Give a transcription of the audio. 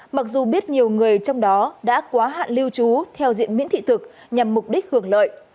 mặc dù biết nhiều người trong đó đã quá hạn lưu trú theo diện miễn thị thực nhằm mục đích hưởng lợi